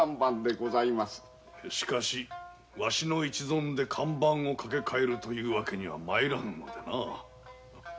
ワシの一存で看板を掛け替えるという訳にはまいらんのでな。